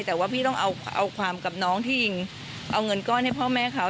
แต่ว่าพี่ต้องเอาความกับน้องที่ยิงเอาเงินก้อนให้พ่อแม่เขา